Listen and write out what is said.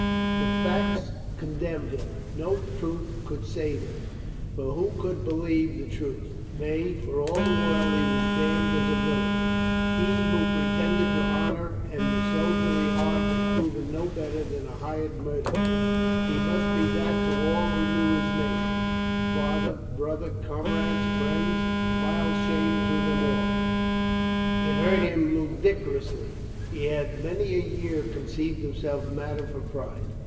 The facts condemned him. No truth could save him, for who could believe the truth ? Nay, for all the world he was damned as a villain. He who pretended to honor and the soldier ly heart was proven no better than a hired murderer. He must be that to all who knew his name, father, brother, comrades, friends, a vile shame to them all. It hurt him ludicrously. He had many a year con ceived himself matter for pride.